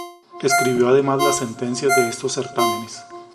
Escribió además las sentencias de estos certámenes.